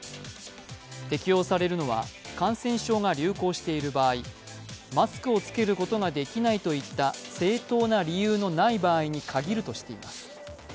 適用されるのは感染症が流行している場合、マスクを着けることができないといった正当な理由がない場合に限るとしています。